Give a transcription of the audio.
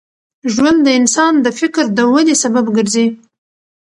ژوند د انسان د فکر د ودې سبب ګرځي.